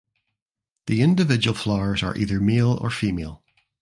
The individual flowers are either male or female.